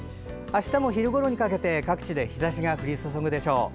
あしたも昼ごろにかけて各地で日ざしが降り注ぐでしょう。